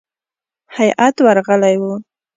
هیات ورغلی وو.